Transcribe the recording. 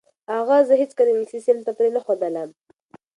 اغا زه هیڅکله انګلیسي صنف ته پرې نه ښودلم.